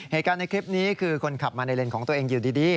เหตุการณ์ในคลิปนี้คือคนขับมาในเลนส์ของตัวเองอยู่ดี